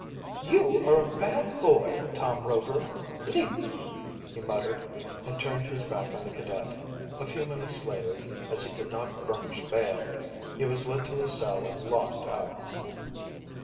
"You are a bad boy, Tom Rover leave me!" he muttered, and turned his back on the cadet. A few minutes later, as he could not furnish bail, he was led to a cell and locked up.